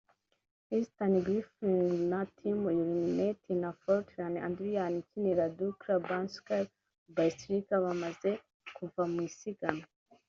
Eastern Griffin wa Team Illuminate na Foltan Adrian ukinira Dukla Banska Bystrica bamaze kuva mu isiganwa